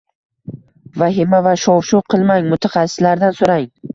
Vahima va shov-shuv qilmang, mutaxassislardan so‘rang